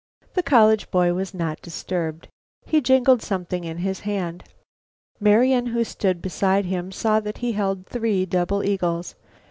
The college boy was not disturbed. He jingled something in his hand. Marian, who stood beside him, saw that he held three double eagles.